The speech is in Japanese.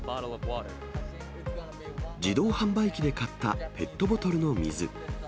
自動販売機で買ったペットボトルの水。